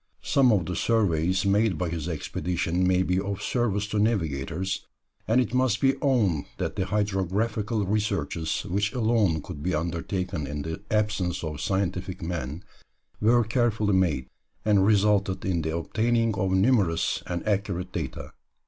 Some of the surveys made by his expedition may be of service to navigators, and it must be owned that the hydrographical researches which alone could be undertaken in the absence of scientific men were carefully made, and resulted in the obtaining of numerous and accurate data.